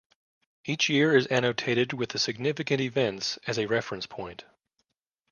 Each year is annotated with the significant events as a reference point.